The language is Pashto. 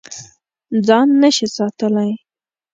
ځان نه شې ساتلی.